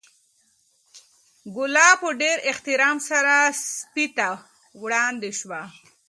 ګوله په ډېر احترام سره سپي ته وړاندې شوه.